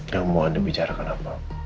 gak mau anda bicarakan apa